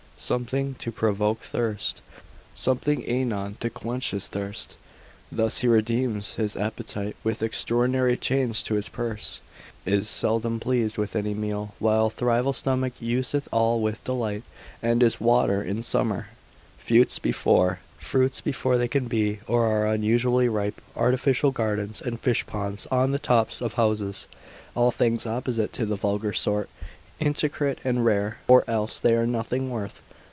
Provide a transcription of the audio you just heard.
something to provoke thirst, something anon to quench his thirst. Thus he redeems his appetite with extraordinary charge to his purse, is seldom pleased with any meal, whilst a trivial stomach useth all with delight and is never offended. Another must have roses in winter, alieni temporis flores, snow water in summer, fruits before they can be or are usually ripe, artificial gardens and fishponds on the tops of houses, all things opposite to the vulgar sort, intricate and rare, or else they are nothing worth.